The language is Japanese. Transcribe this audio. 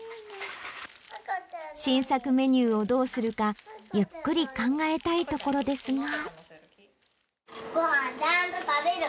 新作メニューをどうするかゆっくり考えたいところですが。